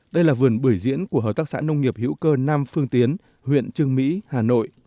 đây là vườn bưởi diễn của hợp tác xã nông nghiệp hữu cơ nam phương tiến huyện trương mỹ hà nội